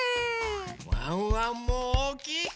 ワンワンもおおきいひ